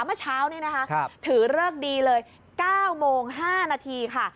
เมื่อเช้านี้นะคะถือเลิกดีเลย๙โมง๕นาทีค่ะ